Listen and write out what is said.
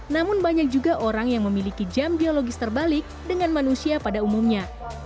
namun banyak juga orang yang memiliki jam biologis terbalik dengan manusia pada umumnya